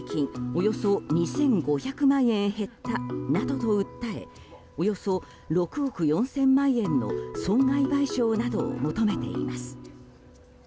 およそ２５００万円減ったなど訴え、およそ６億４０００万円の損害賠償などを求めています。